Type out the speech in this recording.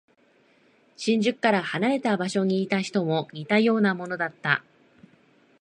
新宿から離れた場所にいた人も似たようなものだった。